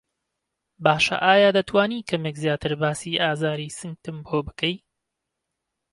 باشه ئایا دەتوانی کەمێک زیاتر باسی ئازاری سنگتم بۆ بکەی؟